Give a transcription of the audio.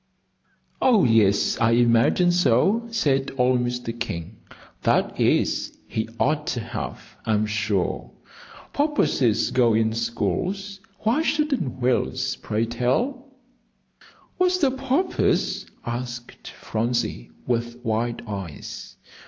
"Oh, yes, I imagine so," said old Mr. King; "that is, he ought to have, I'm sure. Porpoises go in schools, why shouldn't whales, pray tell?" "What's a porpoise?" asked Phronsie, with wide eyes.